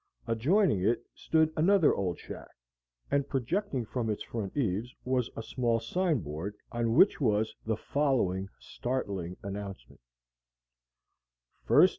Adjoining it stood another old shack, and projecting from its front eves was a small signboard on which was the following startling announcement: 1st.